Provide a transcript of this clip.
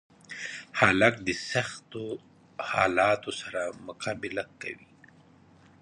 هلک د سختو حالاتو سره مقابله کوي.